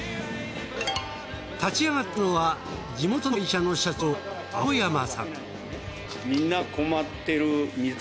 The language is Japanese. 立ち上がったのは地元の会社の社長青山さん。